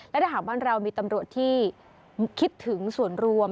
และถ้าหากบ้านเรามีตำรวจที่คิดถึงส่วนรวม